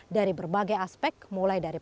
dan beretur jadi teknis tergantung dalam war wing